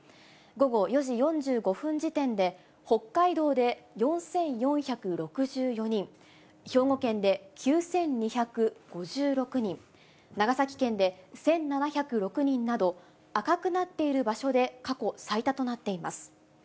午後４時４５分時点で、北海道で４４６４人、兵庫県で９２５６人、長崎県で１７０６人など、赤くなっている場所で、過去最多となっています。